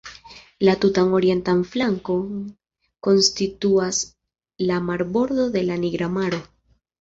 La tutan orientan flankon konstituas la marbordo de la Nigra Maro.